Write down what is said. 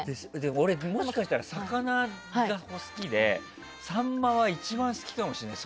俺、もしかしたら魚が好きでサンマは一番好きかもしれない。